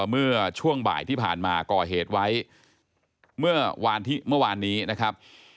เมื่อช่วงบ่ายที่ผ่านมาก่อเหตุไว้เมื่อวานที่เมื่อวานนี้นะครับ